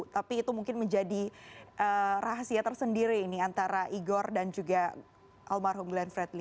tapi itu mungkin menjadi rahasia tersendiri ini antara igor dan juga almarhum glenn fredly